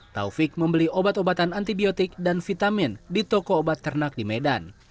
taufik membeli obat obatan antibiotik dan vitamin di toko obat ternak di medan